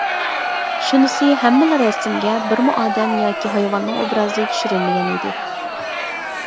شۇنىسى ھەممىلا رەسىمگە بىرمۇ ئادەم ياكى ھايۋاننىڭ ئوبرازى چۈشۈرۈلمىگەن ئىدى.